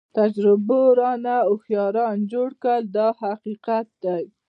تجربو رانه هوښیاران جوړ کړل دا حقیقت دی.